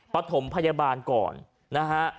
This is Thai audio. ปฐมพยาบาลก่อนนะฮะ